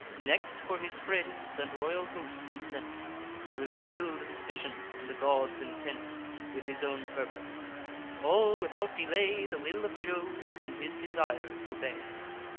Next, for his friends and royal host he sent, Reveal'd his vision, and the gods' intent, With his own purpose. All, without delay, The will of Jove, and his desires obey.